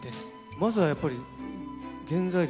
まずはやっぱり原材料。